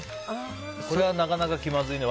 これはなかなか気まずいね。